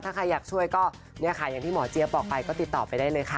ถ้าใครอยากช่วยก็เนี่ยค่ะอย่างที่หมอเจี๊ยบบอกไปก็ติดต่อไปได้เลยค่ะ